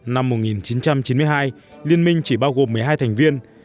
năm một nghìn chín trăm chín mươi hai liên minh chỉ bao gồm một mươi hai thành viên